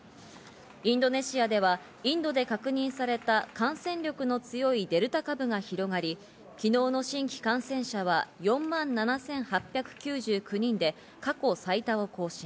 インドネシアではインドで確認された感染力の強いデルタ株が広がり、昨日の新規感染者は４万７８９９人で過去最多を更新。